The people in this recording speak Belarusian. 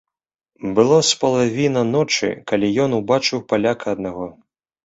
Было з палавіна ночы, калі ён убачыў паляка аднаго.